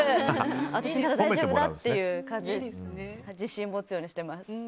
私の中で大丈夫だって感じで自信を持つようにしてます。